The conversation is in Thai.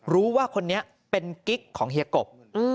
รู้ว่าคนนี้เป็นกิ๊กของเฮียกบ